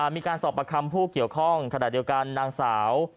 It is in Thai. มีการสอบประคำผู้เกี่ยวข้องขณะเดียวกันนางสาว